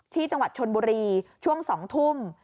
ที่จังหวัดชนบุรีช่วง๒ทุ่ม